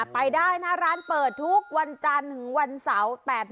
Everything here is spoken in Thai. ไปได้นะร้านเปิดทุกวันจันทร์๑วันเสาร์๘โมงเช้าถึง๒ทุ่ม